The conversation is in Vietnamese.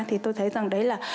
thì tôi thấy rằng đấy là